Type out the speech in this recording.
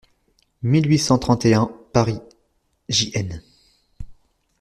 mille huit cent trente et un).Paris, J.-N.